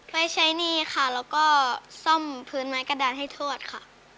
ไว้ใช้หนี้ค่ะแล้วก็ซ่อมพื้นไม้กระดานให้ทวดค่ะ